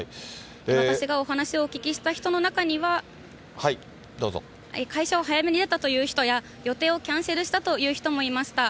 私がお話をお聞きした人の中には、会社を早めに出たという人や、予定をキャンセルしたという人もいました。